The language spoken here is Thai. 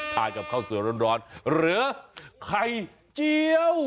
กับข้าวสวยร้อนหรือไข่เจียว